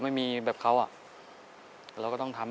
สวัสดีครับน้องเล่จากจังหวัดพิจิตรครับ